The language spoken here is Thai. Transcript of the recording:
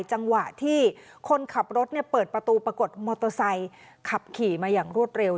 จังหวะที่คนขับรถเปิดประตูปรากฏมอเตอร์ไซค์ขับขี่มาอย่างรวดเร็ว